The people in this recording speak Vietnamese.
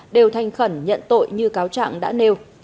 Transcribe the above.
đều thanh khẩn nhận tội như cáo trạng đã nêu